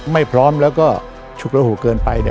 ไม่พร้อมแล้วก็ฉุกระหูเกินไป